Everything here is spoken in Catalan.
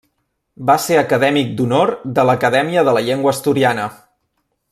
Va ser acadèmic d'honor de l'Acadèmia de la Llengua Asturiana.